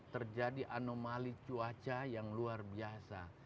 terjadi anomali cuaca yang luar biasa